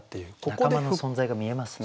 仲間の存在が見えますね。